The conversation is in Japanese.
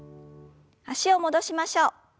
脚を戻しましょう。